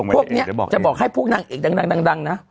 พวกจะบอกให้พวกเนี้ยอีกนะ